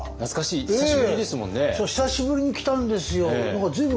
久しぶりに来たんですよ。